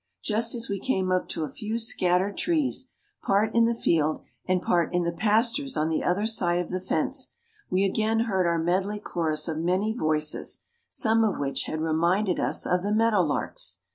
Just as we came up to a few scattered trees, part in the field, and part in the pastures on the other side of the fence, we again heard our medley chorus of many voices, some of which had reminded us of the meadow lark's.